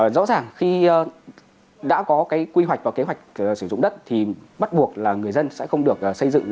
rõ ràng khi đã có cái quy hoạch và kế hoạch sử dụng đất thì bắt buộc là người dân sẽ không được xây dựng